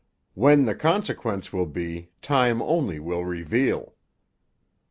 What the consequence will be time only will reveal.'